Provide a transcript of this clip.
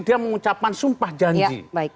dia mengucapkan sumpah janji